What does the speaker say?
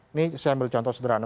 ini saya ambil contoh sederhana